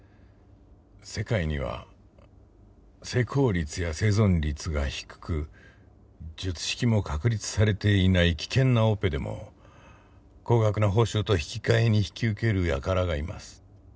世界には成功率や生存率が低く術式も確立されていない危険なオペでも高額な報酬と引き換えに引き受けるやからがいます。